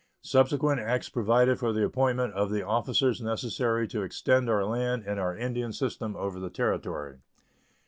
Subsequent acts provided for the appointment of the officers necessary to extend our land and our Indian system over the Territory.